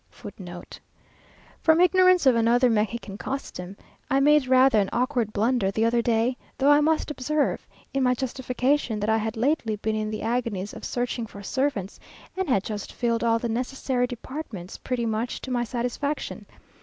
[Footnote 1: 664] From ignorance of another Mexican custom, I made rather an awkward blunder the other day; though I must observe, in my justification, that I had lately been in the agonies of searching for servants, and had just filled all the necessary departments pretty much to my satisfaction.